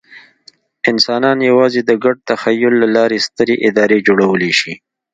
انسانان یواځې د ګډ تخیل له لارې سترې ادارې جوړولی شي.